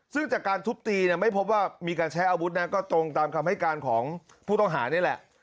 ซึ่งจากการทุบตีเนี่ยไม่พบว่ามีการใช้อาวุธนะก็ตรงตามคำให้การของผู้ต้องหานี่แหละ